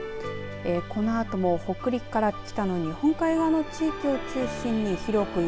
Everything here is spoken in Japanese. このあとも北陸から北の日本海側の地域を中心に広く雪。